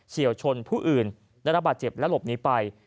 เชี่ยวชนผู้อื่นได้รับบาดเจ็บและหลบหนีไป